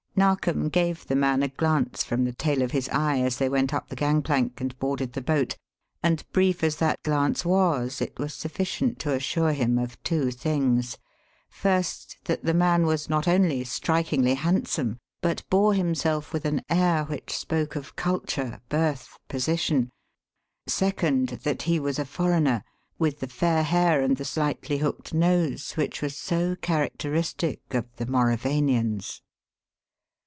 Narkom gave the man a glance from the tail of his eye as they went up the gangplank and boarded the boat, and brief as that glance was, it was sufficient to assure him of two things: First, that the man was not only strikingly handsome but bore himself with an air which spoke of culture, birth, position; second, that he was a foreigner, with the fair hair and the slightly hooked nose which was so characteristic of the Mauravanians.